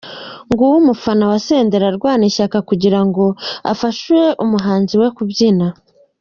Nguwo umufana wa Senderi arwana ishya kugira ngo afashe umuhanzi we kubyina.